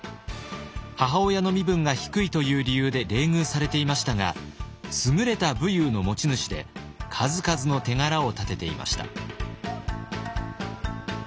母親の身分が低いという理由で冷遇されていましたが優れた武勇の持ち主で数々の手柄を立てていました。